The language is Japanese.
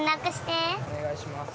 お願いします。